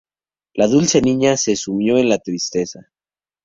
La dulce niña se sumió en la tristeza.